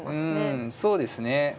うんそうですね。